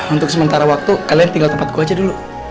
untuk sementara waktu kalian tinggal tempat gue aja dulu